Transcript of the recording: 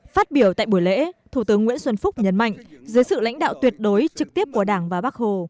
phát biểu tại buổi lễ thủ tướng nguyễn xuân phúc nhấn mạnh dưới sự lãnh đạo tuyệt đối trực tiếp của đảng và bắc hồ